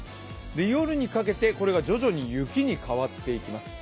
夜にかけてこれが雪に徐々に変わっていきます。